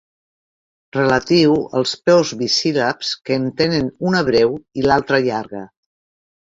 Relatiu als peus bisíl·labs que en tenen una breu i l'altra llarga.